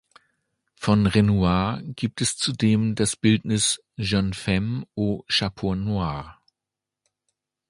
Von Renoir gibt es zudem das Bildnis "Jeune femme au chapeau noir".